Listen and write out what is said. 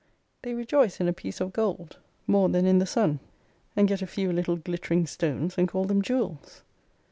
They rejoice in a piece of gold more than in the Sun ; and get a few little glittering stones and call them jewels.